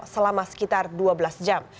selama sekitar dua belas jam